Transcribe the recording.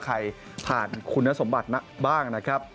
ใครผ่านคุณสมบัติบ้าง